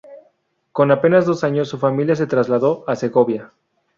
Con apenas dos años, su familia se trasladó a Segovia.